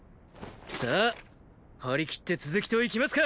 さーはりきって続きといきますか！